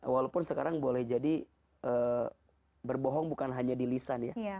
walaupun sekarang boleh jadi berbohong bukan hanya di lisan ya